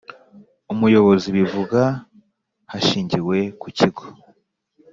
Umuyobozi bivuga hashingiwe ku kigo